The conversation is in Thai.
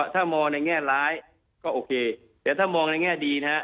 ถ้ามองในแง่ร้ายก็โอเคแต่ถ้ามองในแง่ดีนะฮะ